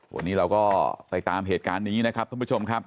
วันนี้เราก็ไปตามเหตุการณ์นี้นะครับท่านผู้ชมครับ